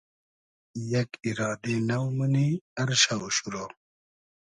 یئگ ایرادې نۆ مونی ار شۆ شورۉ